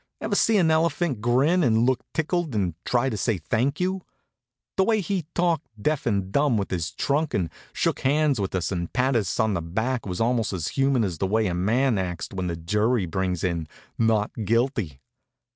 Ever see an elephant grin and look tickled and try to say thank you? The way he talked deaf and dumb with his trunk and shook hands with us and patted us on the back was almost as human as the way a man acts when the jury brings in "Not guilty."